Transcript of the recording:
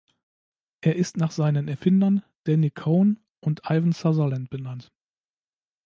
Er ist nach seinen Erfindern Danny Cohen und Ivan Sutherland benannt.